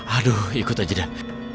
aduh ikut aja dah